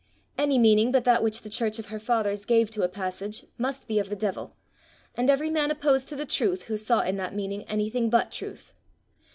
Any meaning but that which the church of her fathers gave to a passage must be of the devil, and every man opposed to the truth who saw in that meaning anything but truth!